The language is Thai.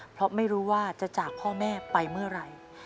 เพราะไม่รู้ว่าจะจากพ่อแม่ไปเมื่อไหร่